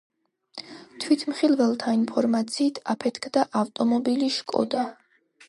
თვითმხილველთა ინფორმაციით აფეთქდა ავტომობილი შკოდა.